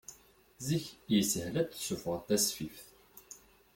Zik yeshel ad d-tessufɣeḍ tasfift.